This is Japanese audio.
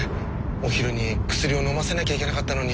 お昼に薬をのませなきゃいけなかったのに。